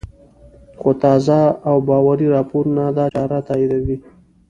خو تازه او باوري راپورونه دا چاره تاییدوي